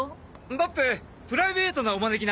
だってプライベートなお招きなんでしょ？